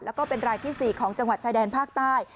แล้วก็เป็นรายที่๔ของจังหวัดชายแดนภาคใต้